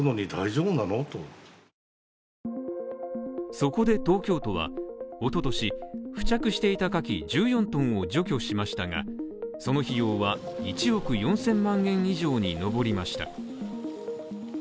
そこで東京都はおととし付着していたカキ１４トンを除去しましたがその費用は１億４０００万円以上に上りました